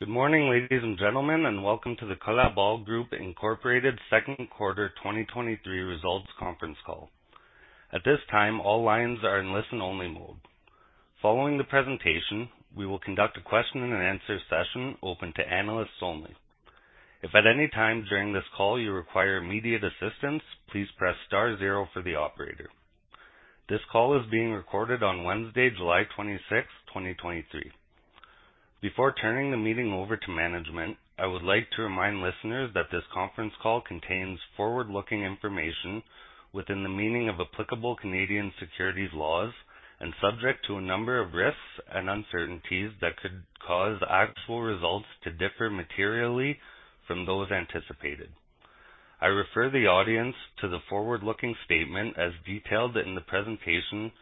Good morning, ladies and gentlemen, and welcome to the Colabor Group Inc. 2nd quarter 2023 results conference call. At this time, all lines are in listen-only mode. Following the presentation, we will conduct a question and answer session open to analysts only. If at any time during this call you require immediate assistance, please press star zero for the operator. This call is being recorded on Wednesday, July 26th, 2023. Before turning the meeting over to management, I would like to remind listeners that this conference call contains forward-looking information within the meaning of applicable Canadian securities laws and subject to a number of risks and uncertainties that could cause actual results to differ materially from those anticipated. I refer the audience to the forward-looking statement as detailed in the presentation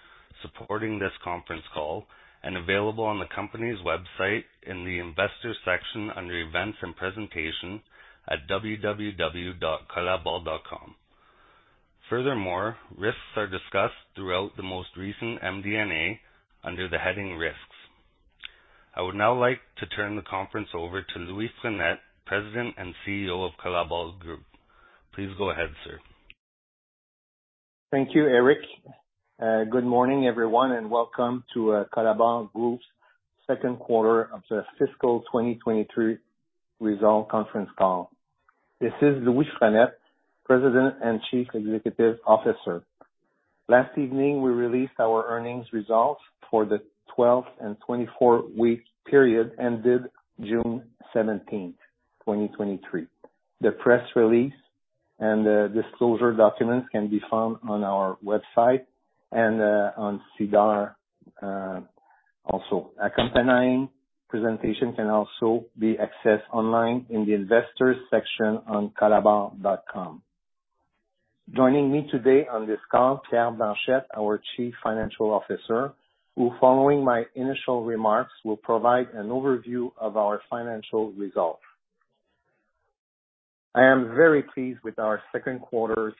supporting this conference call and available on the company's website in the investor section under Events and Presentation at www.colabor.com. Risks are discussed throughout the most recent MD&A under the heading Risks. I would now like to turn the conference over to Louis Frenette, President and CEO of Colabor Group. Please go ahead, sir. Thank you, Eric. Good morning, everyone, and welcome to Colabor Group's second quarter of the fiscal 2023 result conference call. This is Louis Frenette, President and Chief Executive Officer. Last evening, we released our earnings results for the 12 and 24-week period ended June 17th, 2023. The press release and the disclosure documents can be found on our website and on SEDAR, also. Accompanying presentation can also be accessed online in the investors section on colabor.com. Joining me today on this call, Pierre Blanchette, our Chief Financial Officer, who, following my initial remarks, will provide an overview of our financial results. I am very pleased with our second quarter's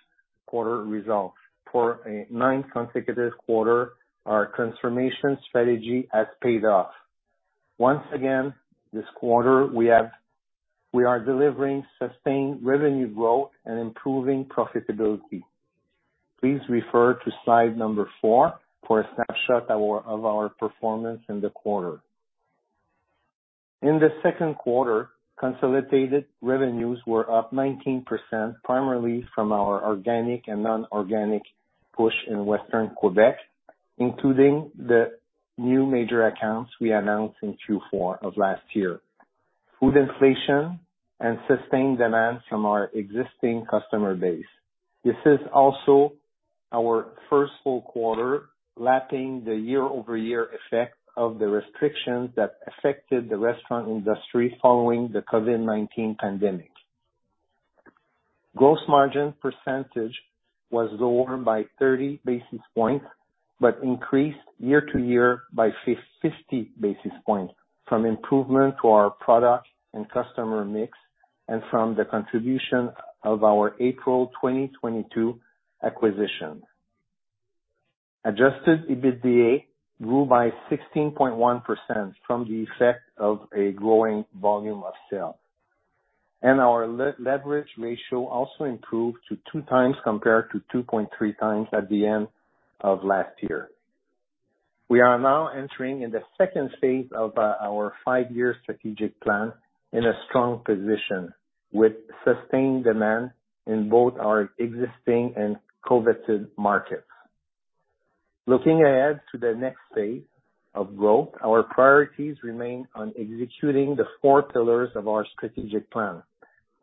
results. For a ninth consecutive quarter, our transformation strategy has paid off. Once again, this quarter, we are delivering sustained revenue growth and improving profitability. Please refer to slide number four for a snapshot of our performance in the quarter. In the second quarter, consolidated revenues were up 19%, primarily from our organic and non-organic push in western Quebec, including the new major accounts we announced in Q4 of last year, food inflation and sustained demand from our existing customer base. This is also our first full quarter, lapping the year-over-year effect of the restrictions that affected the restaurant industry following the COVID-19 pandemic. Gross margin percentage was lower by 30 basis points, but increased year-to-year by 50 basis points from improvement to our product and customer mix, and from the contribution of our April 2022 acquisition. Adjusted EBITDA grew by 16.1% from the effect of a growing volume of sales. Our leverage ratio also improved to 2x compared to 2.3x at the end of last year. We are now entering in the second phase of our five-year strategic plan in a strong position, with sustained demand in both our existing and coveted markets. Looking ahead to the next phase of growth, our priorities remain on executing the four pillars of our strategic plan,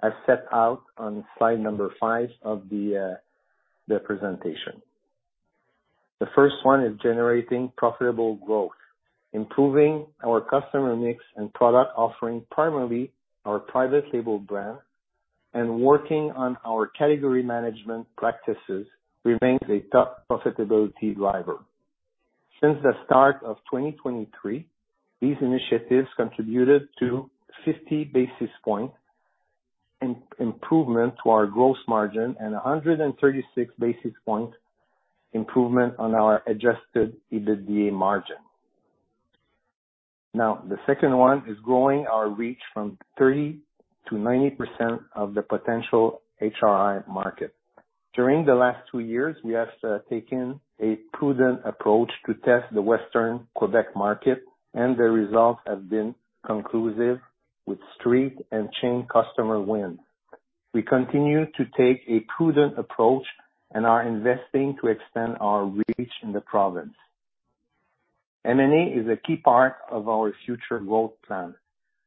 as set out on slide number five of the presentation. The first one is generating profitable growth, improving our customer mix and product offering, primarily our private label brand, and working on our category management practices remains a top profitability driver. Since the start of 2023, these initiatives contributed to 50 basis point improvement to our gross margin and a 136 basis point improvement on our Adjusted EBITDA margin. Now, the second one is growing our reach from 30%-90% of the potential HRI market. During the last two years, we have taken a prudent approach to test the western Quebec market, and the results have been conclusive with street and chain customer wins. We continue to take a prudent approach and are investing to extend our reach in the province. M&A is a key part of our future growth plan.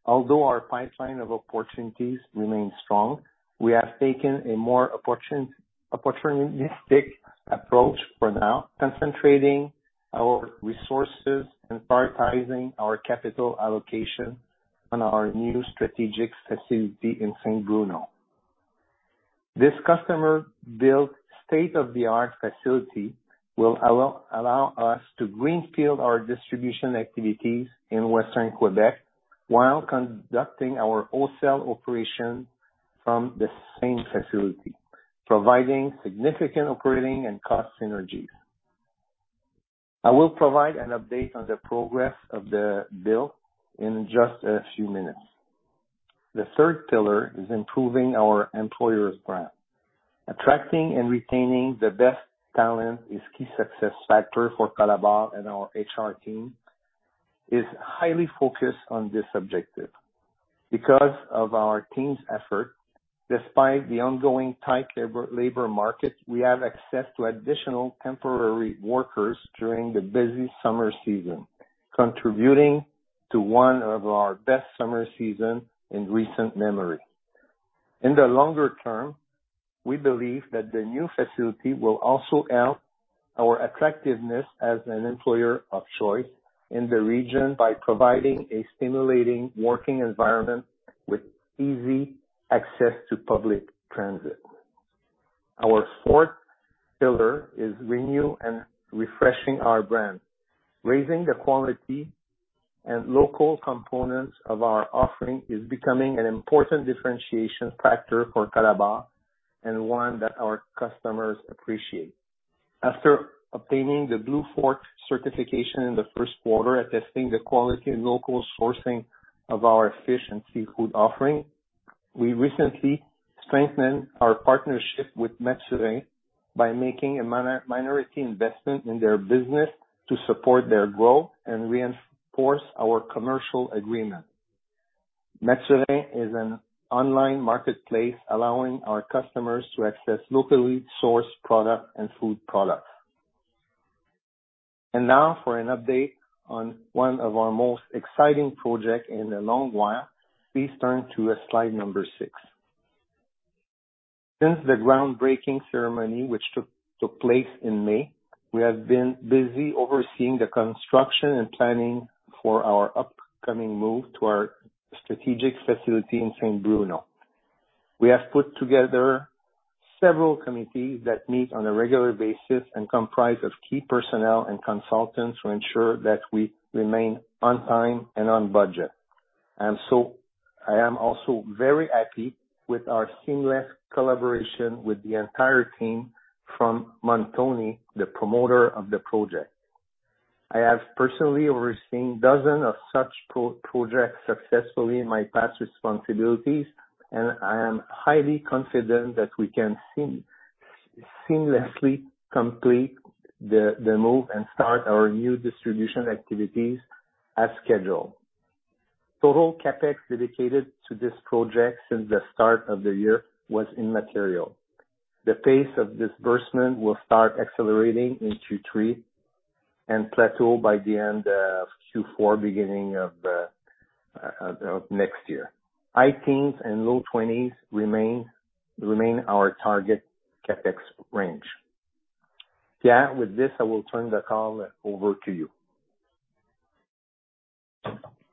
Although our pipeline of opportunities remains strong, we have taken a more opportunistic approach for now, concentrating our resources and prioritizing our capital allocation on our new strategic facility in Saint Bruno. This customer-built, state-of-the-art facility will allow us to greenfield our distribution activities in western Quebec while conducting our wholesale operation from the same facility, providing significant operating and cost synergies. I will provide an update on the progress of the build in just a few minutes. The third pillar is improving our employer's brand. Attracting and retaining the best talent is key success factor for Colabor. Our HR team is highly focused on this objective. Because of our team's effort, despite the ongoing tight labor market, we have access to additional temporary workers during the busy summer season, contributing to one of our best summer season in recent memory. In the longer term, we believe that the new facility will also help our attractiveness as an employer of choice in the region by providing a stimulating working environment with easy access to public transit. Our fourth pillar is renew and refreshing our brand. Raising the quality and local components of our offering is becoming an important differentiation factor for Colabor, and one that our customers appreciate. After obtaining the Fourchette bleue certification in the first quarter, attesting the quality and local sourcing of our fish and seafood offering, we recently strengthened our partnership with Maturin by making a minority investment in their business to support their growth and reinforce our commercial agreement. Maturin is an online marketplace, allowing our customers to access locally sourced product and food products. Now for an update on one of our most exciting project in a long while, please turn to slide number six. Since the groundbreaking ceremony, which took place in May, we have been busy overseeing the construction and planning for our upcoming move to our strategic facility in Saint Bruno. We have put together several committees that meet on a regular basis and comprise of key personnel and consultants to ensure that we remain on time and on budget. I am also very happy with our seamless collaboration with the entire team from Montoni, the promoter of the project. I have personally overseen dozens of such projects successfully in my past responsibilities, and I am highly confident that we can seamlessly complete the move and start our new distribution activities as scheduled. Total CapEx dedicated to this project since the start of the year was immaterial. The pace of disbursement will start accelerating in Q3 and plateau by the end of Q4, beginning of next year. High teens and low 20s remain our target CapEx range. Pierre, with this, I will turn the call over to you.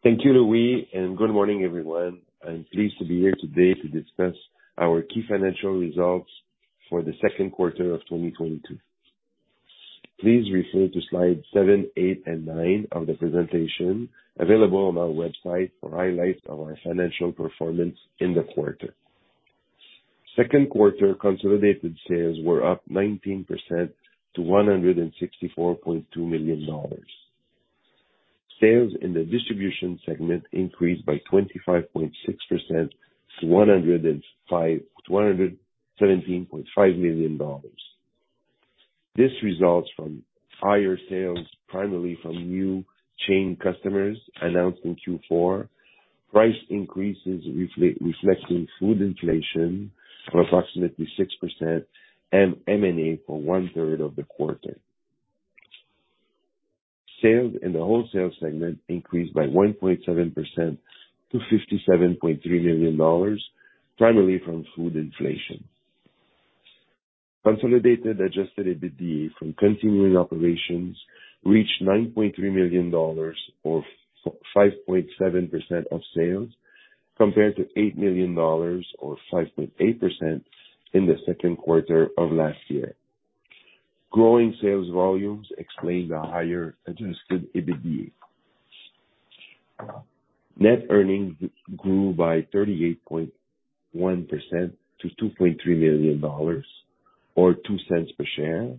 Thank you, Louis. Good morning, everyone. I'm pleased to be here today to discuss our key financial results for the second quarter of 2022. Please refer to slides seven, eight, and nine of the presentation available on our website for highlights of our financial performance in the quarter. Second quarter consolidated sales were up 19% to 164.2 million dollars. Sales in the distribution segment increased by 25.6% to 117.5 million dollars. This results from higher sales, primarily from new chain customers announced in Q4, price increases reflecting food inflation of approximately 6%, and M&A for one third of the quarter. Sales in the wholesale segment increased by 1.7% to 57.3 million dollars, primarily from food inflation. Consolidated Adjusted EBITDA from continuing operations reached 9.3 million dollars, or 5.7% of sales, compared to 8 million dollars or 5.8% in the second quarter of last year. Growing sales volumes explain the higher Adjusted EBITDA. Net earnings grew by 38.1% to 2.3 million dollars, or 0.02 per share,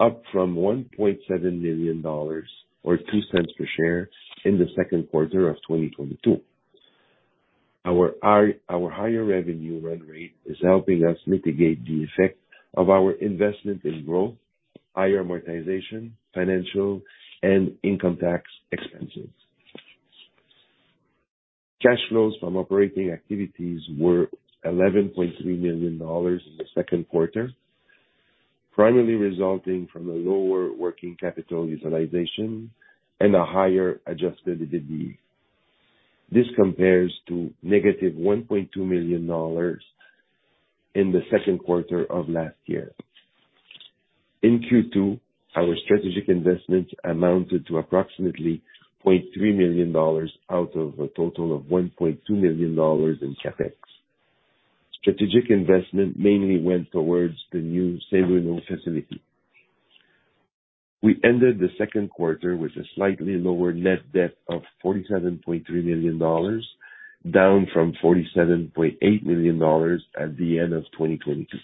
up from 1.7 million dollars or 0.02 per share in the second quarter of 2022. Our higher revenue run rate is helping us mitigate the effect of our investment in growth, higher amortization, financial, and income tax expenses. Cash flows from operating activities were 11.3 million dollars in the second quarter, primarily resulting from a lower working capital utilization and a higher Adjusted EBITDA. This compares to negative 1.2 million dollars in the second quarter of last year. In Q2, our strategic investment amounted to approximately 0.3 million dollars out of a total of 1.2 million dollars in CapEx. Strategic investment mainly went towards the new Saint Bruno facility. We ended the second quarter with a slightly lower net debt of 47.3 million.down from 47.8 million dollars at the end of 2022.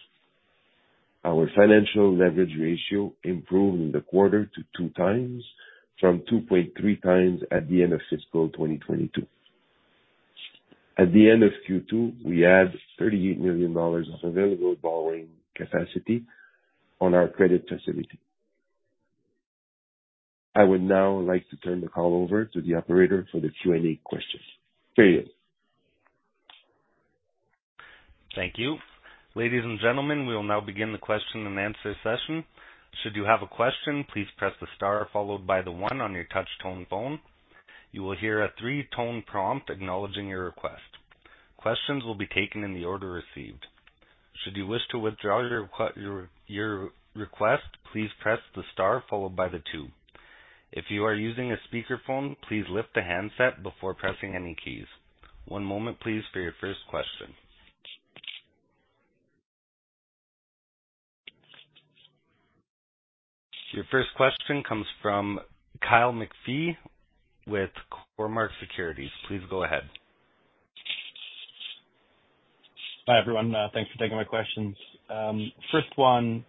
Our financial leverage ratio improved in the quarter to 2x from 2.3x at the end of fiscal 2022. At the end of Q2, we had 38 million dollars of available borrowing capacity on our credit facility. I would now like to turn the call over to the operator for the Q&A questions. Thank you. Ladies and gentlemen, we will now begin the question and answer session. Should you have a question, please press the star followed by the one on your touch-tone phone. You will hear a three-tone prompt acknowledging your request. Questions will be taken in the order received. Should you wish to withdraw your request, please press the star followed by the two. If you are using a speakerphone, please lift the handset before pressing any keys. One moment, please, for your first question. Your first question comes from Kyle McPhee with Cormark Securities. Please go ahead. Hi, everyone. Thanks for taking my questions. First one,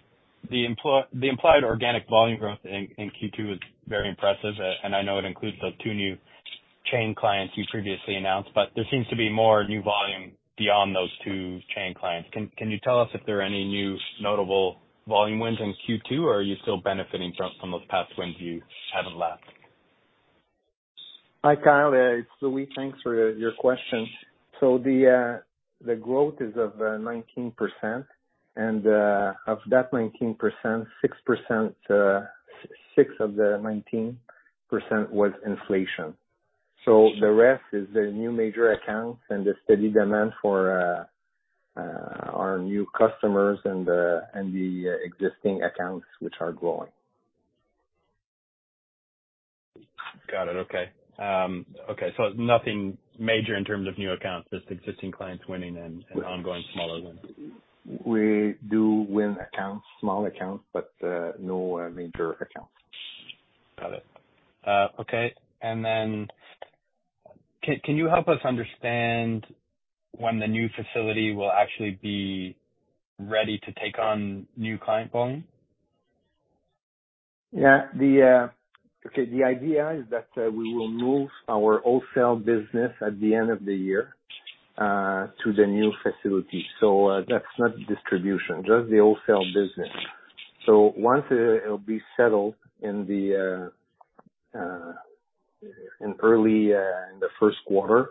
the implied organic volume growth in Q2 is very impressive, and I know it includes the two new chain clients you previously announced. There seems to be more new volume beyond those two chain clients. Can you tell us if there are any new notable volume wins in Q2, or are you still benefiting from those past wins you had in last? Hi, Kyle. It's Louis. Thanks for your question. The growth is of 19%, of that 19%, 6%, 6% of the 19% was inflation. The rest is the new major accounts and the steady demand for our new customers and the existing accounts, which are growing. Got it. Okay. Okay, nothing major in terms of new accounts, just existing clients winning and ongoing smaller wins. We do win accounts, small accounts, but no major accounts. Got it. Okay. Can you help us understand when the new facility will actually be ready to take on new client volume? Yeah. The idea is that we will move our wholesale business at the end of the year to the new facility. That's not distribution, just the wholesale business. Once it'll be settled in early in the first quarter,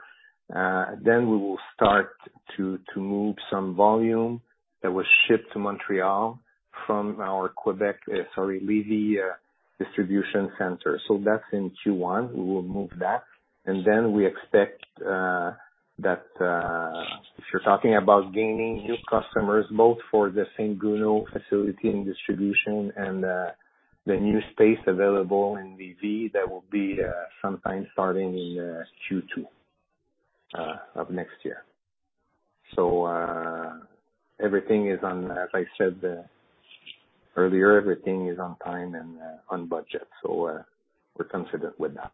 then we will start to move some volume that was shipped to Montreal from our Quebec, sorry, Lévis distribution center. That's in Q1, we will move that. Then we expect that if you're talking about gaining new customers, both for the Saint Bruno facility and distribution and the new space available in Lévis, that will be sometime starting in Q2 of next year. Everything is on, as I said, earlier, everything is on time and, on budget, so, we're considered with that.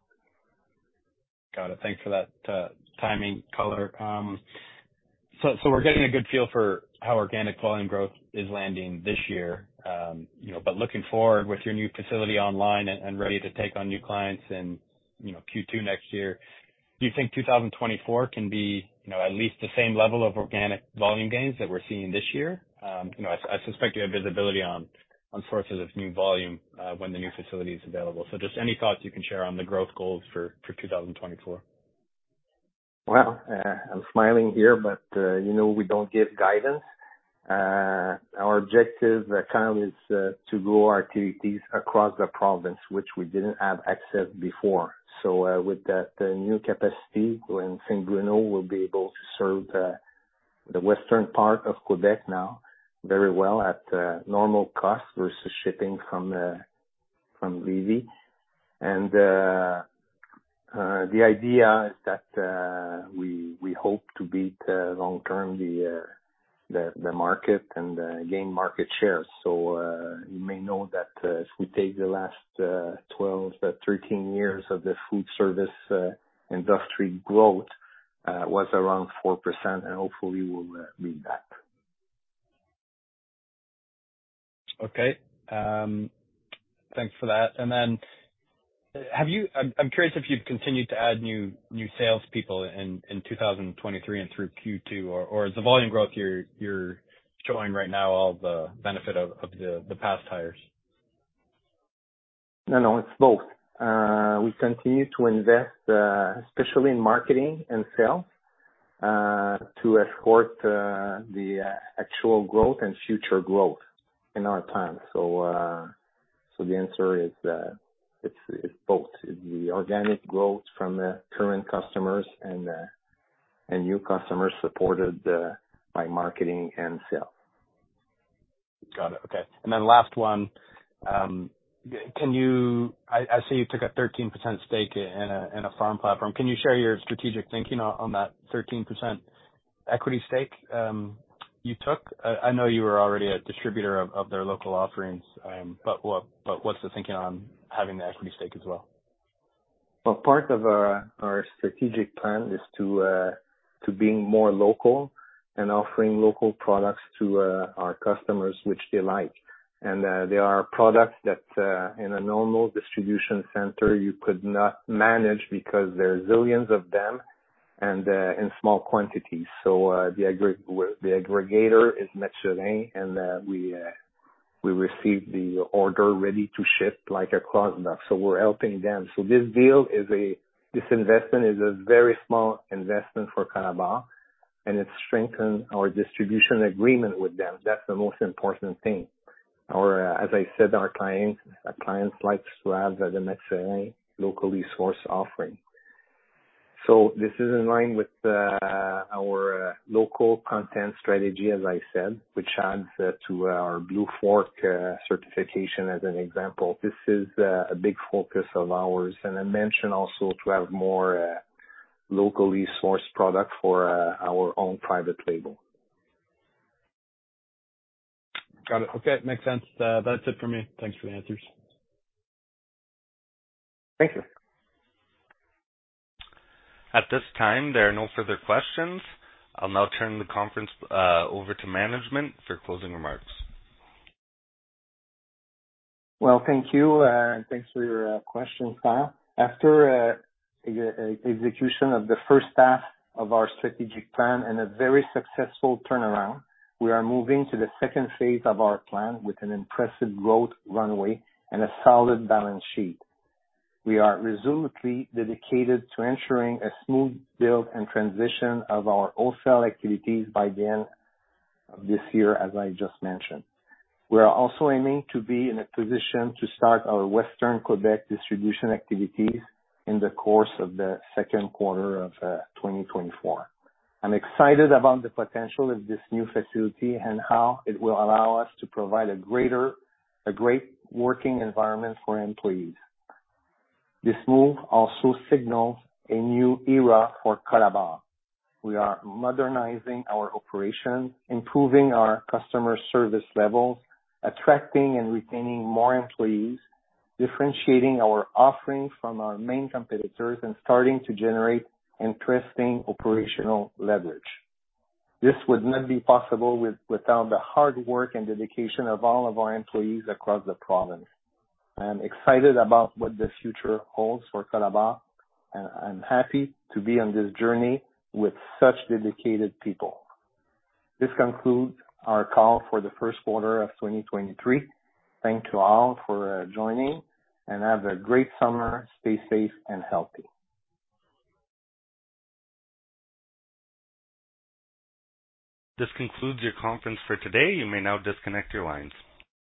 Got it. Thanks for that timing color. We're getting a good feel for how organic volume growth is landing this year. You know, looking forward with your new facility online and ready to take on new clients and, you know, Q2 next year, do you think 2024 can be, you know, at least the same level of organic volume gains that we're seeing this year? You know, I suspect you have visibility on sources of new volume when the new facility is available. Just any thoughts you can share on the growth goals for 2024? I'm smiling here, but, you know, we don't give guidance. Our objective, Kyle, is to grow our TDPs across the province, which we didn't have access before. With that, the new capacity in Saint Bruno will be able to serve the western part of Quebec now very well at normal cost versus shipping from Lévis. The idea is that we hope to beat long term, the market and gain market share. You may know that, if we take the last 12-13 years of the food service industry growth, was around 4%, and hopefully we'll beat that. Okay. Thanks for that. I'm curious if you've continued to add new salespeople in 2023 and through Q2, or is the volume growth you're showing right now all the benefit of the past hires? No, no, it's both. We continue to invest, especially in marketing and sales, to escort, the, actual growth and future growth in our time. The answer is, it's both. The organic growth from the current customers and new customers supported, by marketing and sales. Got it. Okay. Last one, I see you took a 13% stake in a, in a farm platform. Can you share your strategic thinking on that 13% equity stake, you took, I know you were already a distributor of their local offerings, but what's the thinking on having the equity stake as well? Part of our strategic plan is to being more local and offering local products to our customers, which they like. There are products that in a normal distribution center, you could not manage because there are zillions of them and in small quantities. The aggregator is Maturin, we receive the order ready to ship like a cross dock. We're helping them. This investment is a very small investment for Colabor, and it strengthen our distribution agreement with them. That's the most important thing. As I said, our clients likes to have the Maturin locally sourced offering. This is in line with our local content strategy, as I said, which adds to our Fourchette bleue certification as an example. This is a big focus of ours. I mentioned also to have more locally sourced product for our own private label. Got it. Okay, makes sense. That's it for me. Thanks for the answers. Thank you. At this time, there are no further questions. I'll now turn the conference over to management for closing remarks. Well, thank you, and thanks for your questions, Kyle. After execution of the first half of our strategic plan and a very successful turnaround, we are moving to the second phase of our plan with an impressive growth runway and a solid balance sheet. We are resolutely dedicated to ensuring a smooth build and transition of our wholesale activities by the end of this year, as I just mentioned. We are also aiming to be in a position to start our Western Quebec distribution activities in the course of the second quarter of 2024. I'm excited about the potential of this new facility and how it will allow us to provide a great working environment for employees. This move also signals a new era for Colabor. We are modernizing our operations, improving our customer service levels, attracting and retaining more employees, differentiating our offerings from our main competitors, and starting to generate interesting operational leverage. This would not be possible without the hard work and dedication of all of our employees across the province. I'm excited about what the future holds for Colabor, and I'm happy to be on this journey with such dedicated people. This concludes our call for the first quarter of 2023. Thank you all for joining, and have a great summer. Stay safe and healthy. This concludes your conference for today. You may now disconnect your lines.